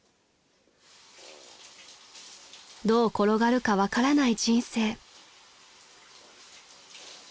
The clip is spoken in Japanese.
［どう転がるか分からない人生］